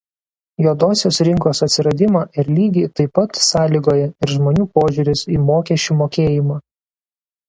Juodosios rinkos atsiradimą ir lygį taip pat sąlygoja ir žmonių požiūris į mokesčių mokėjimą.